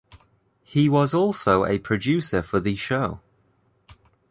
He was also a producer for the show.